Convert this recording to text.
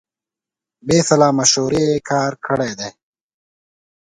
بې سلا مشورې کار کړی دی.